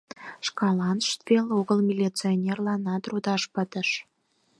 Шкаланышт веле огыл — милиционерланат рудаш пытыш.